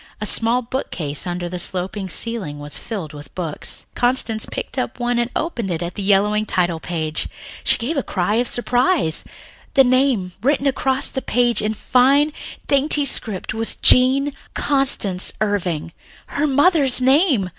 A small bookcase under the sloping ceiling was filled with books. Constance picked up one and opened it at the yellowing title page. She gave a little cry of surprise. The name written across the page in a fine, dainty script was "Jean Constance Irving," her mother's name!